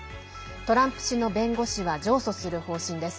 トランプ氏の弁護士は上訴する方針です。